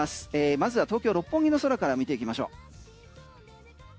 まずは東京・六本木の空から見ていきましょう。